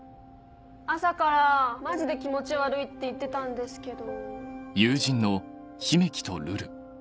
朝から「マジで気持ち悪い」って言ってたんですけど。